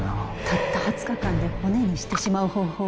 たった２０日間で骨にしてしまう方法。